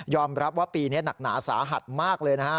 รับว่าปีนี้หนักหนาสาหัสมากเลยนะฮะ